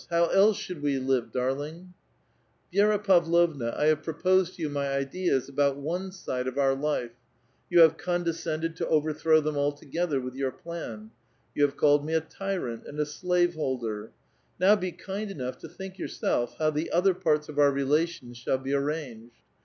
How else should we live, milenki? '* Vi^ra Pavlovna, I have proposed to 30U my ideas about one side of our life ; vou have condescended to overthrow them altogether with your plan. Y'ou have en lied me a tyrant and a slave holder ; now be kind enough to think yourself how the other parts of our relations shall be ar ranged.